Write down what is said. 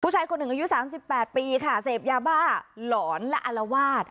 ผู้ชายคนหนึ่งอายุสามสิบแปดปีค่ะเสพยาบ้าหลอนและอลวาด